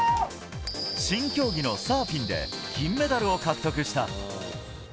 新競技のサーフィンで金メダルを獲得した。